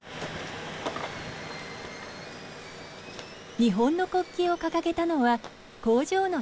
日本の国旗を掲げたのは工場の正面。